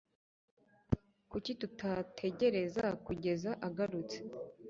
Kuki tutategereza kugeza agarutse?